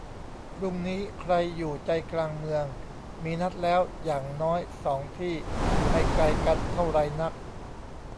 พรุ่งนี้ ใครอยู่ใจกลางเมืองมีนัดแล้วอย่างน้อยสองที่ ไม่ไกลกันเท่าไรนัก